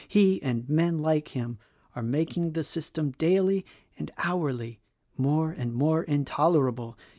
He, and men like him, are making the system daily and hourly more and more intolerable.